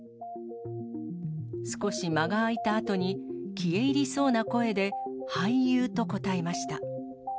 少し間が空いたあとに、消え入りそうな声で、俳優と答えました。